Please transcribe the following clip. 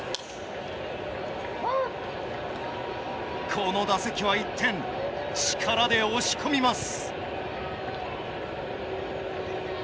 この打席は一転力で押し込みます。